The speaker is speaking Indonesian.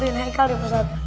bantuin haikal ya ustadz